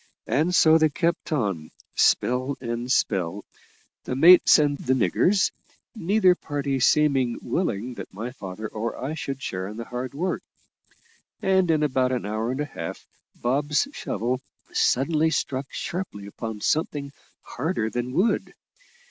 And so they kept on, spell and spell, the mates and the "niggers," neither party seeming willing that my father or I should share in the hard work; and in about an hour and a half, Bob's shovel suddenly struck sharply upon something harder than wood.